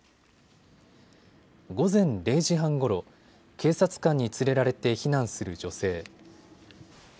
午前０時半ごろ、警察官に連れられて避難する女性。